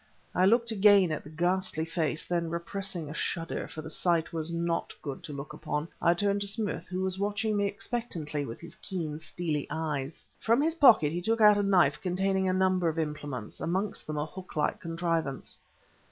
I looked again at the ghastly face, then, repressing a shudder, for the sight was one not good to look upon, I turned to Smith, who was watching me expectantly with his keen, steely eyes. From his pocket the took out a knife containing a number of implements, amongst them a hook like contrivance.